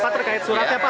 pak terkait suratnya pak